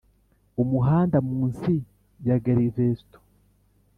umuhanda munsi ya galveston.